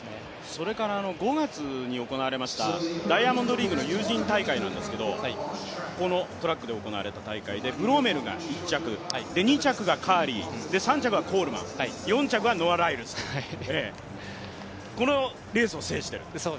それから５月に行われましたダイヤモンドリーグのユージーン大会なんですけどこのトラックで行われた大会でブロメルが１着で２着がカーリー、３着がコールマン４着がノア・ライルズという、このレースを制している。